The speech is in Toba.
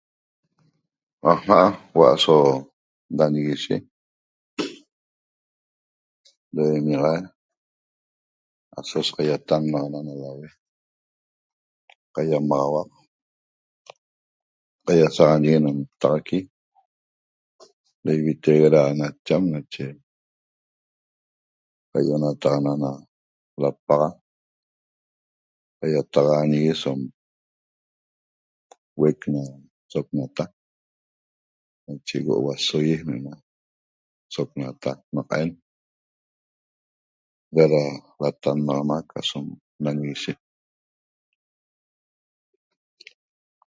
Aja' huo’o o' aso nañiguishe demiaxae aso qaiatannanaxana na laue qaiamaxauaq qaiasaxañe ñe taxaqui da ivitega da nacham nache qaio'onataxana na lpaxa qaitaxangui som huec na soqnata nacje ego huesogui na soqnata naqaen huo'o ra latannanaxanaq asom nanguishe